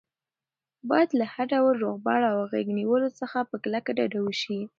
باید له هر ډول روغبړ او غېږ نیولو څخه په کلکه ډډه وشي.